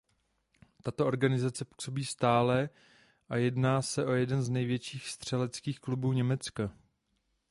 Tato organizace působí stále a jedná se o jeden z největších střeleckých klubů Německa.